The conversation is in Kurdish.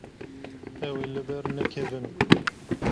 Ew ê li ber nekevin.